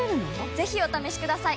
ぜひお試しください！